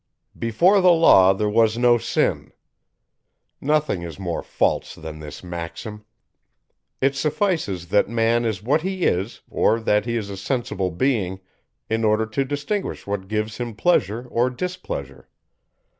"Before the law there was no sin." Nothing is more false than this maxim. It suffices that man is what he is, or that he is a sensible being, in order to distinguish what gives him pleasure or displeasure.